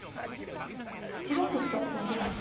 ８六歩と動きました。